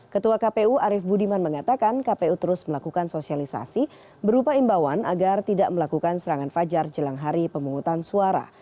ketua kpu arief budiman mengatakan kpu terus melakukan sosialisasi berupa imbauan agar tidak melakukan serangan fajar jelang hari pemungutan suara